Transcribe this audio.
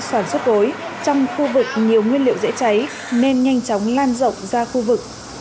sản xuất gối trong khu vực nhiều nguyên liệu dễ cháy nên nhanh chóng lan rộng ra khu vực